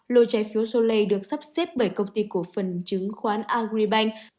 lô trái phiếu sơn lề được sắp xếp bởi công ty cổ phần chứng khoán agribank